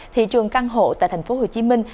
thị trường căn hộ tại thành phố hồ chí minh